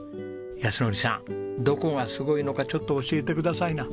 靖典さんどこがすごいのかちょっと教えてくださいな。